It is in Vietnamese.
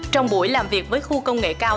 trong buổi làm việc với khu công nghệ cao